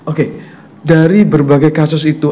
oke dari berbagai kasus itu